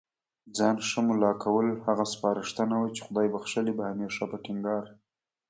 ځان ښه مُلا کول، هغه سپارښتنه وه چي خدای بخښلي به هميشه په ټينګار